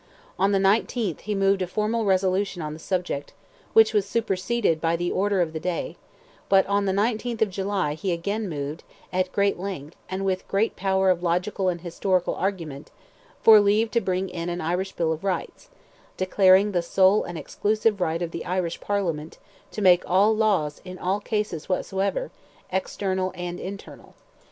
On the 19th, he moved a formal resolution on the subject, which was superseded by the order of the day; but on the 19th of July, he again moved, at great length, and with great power of logical and historical argument, for leave to bring in an Irish Bill of Rights, declaring "the sole and exclusive right of the Irish Parliament to make laws in all cases whatsoever, external and internal."